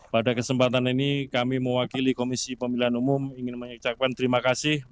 pada kesempatan ini kami mewakili komisi pemilihan umum ingin mengucapkan terima kasih